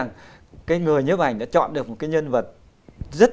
người nhấp ảnh đã chọn được một nhân vật